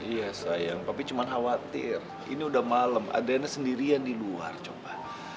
iya sayang papi cuman khawatir ini udah malem adriana sendirian di luar coba